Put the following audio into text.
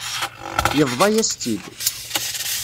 Yebḍa-yas-tt-id.